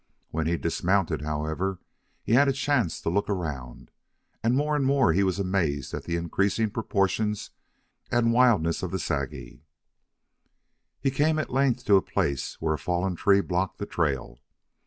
When he dismounted, however, he had a chance to look around, and more and more he was amazed at the increasing proportions and wildness of the Sagi. He came at length to a place where a fallen tree blocked the trail.